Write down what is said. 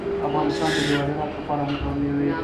افغانستان د جواهراتو له پلوه متنوع دی.